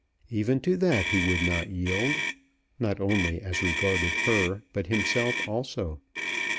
Even to that he would not yield, not only as regarded her but himself also.